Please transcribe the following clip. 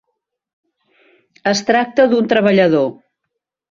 Es tracta d’un treballador.